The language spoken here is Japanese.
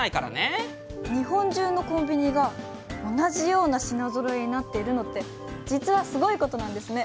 日本中のコンビニが同じような品ぞろえになっているのって実はすごいことなんですね。